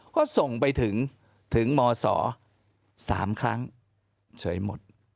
ก็ส่งไปถึงถึงมศ๓ครั้งเฉยหมด